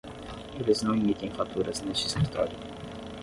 Eles não emitem faturas neste escritório.